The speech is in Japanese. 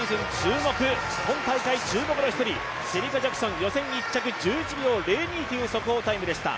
今大会注目の一人シェリカ・ジャクソン予選１着１１秒０２という速報タイムでした。